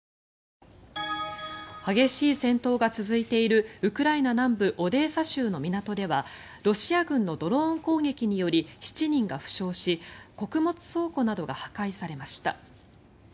激しい戦闘が続いているウクライナ南部オデーサ州の港ではロシア軍のドローン攻撃により７人が負傷し穀物倉庫などが破壊されました。